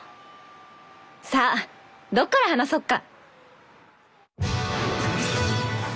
さあどっから話そっか？